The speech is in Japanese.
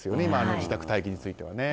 自宅待機についてはね。